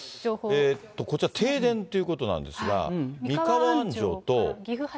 こちら、停電ということなんですが、三河安城と。